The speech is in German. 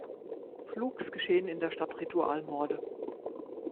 Flugs geschehen in der Stadt Ritualmorde.